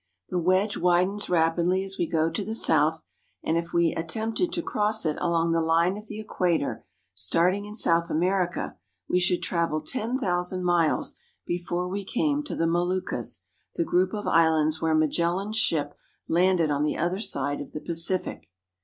The wedge widens rapidly as we go to the south, and if we attempted to cross it along the line of the Equator, starting "The ship itself is a wonder.' in South America, we should travel ten thousand miles before we came to the Moluccas, the group of islands where Magellan's ships landed on the other side of the Pacific.